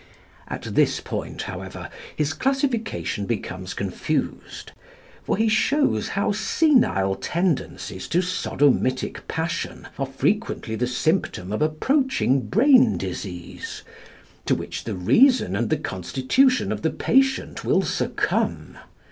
At this point, however, his classification becomes confused; for he shows how senile tendencies to sodomitic passion are frequently the symptom of approaching brain disease, to which the reason and the constitution of the patient will succumb.